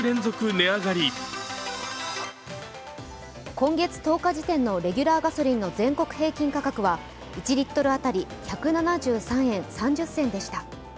今月１０日時点のレギュラーガソリンの全国平均価格は、１リットル当たり１７３円３０銭でした。